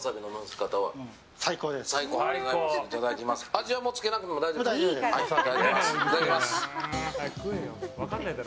味はもうつけなくても大丈夫ですよね。